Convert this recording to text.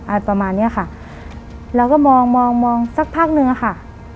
ประมาณเนี้ยค่ะแล้วก็มองมองมองสักพักหนึ่งอะค่ะ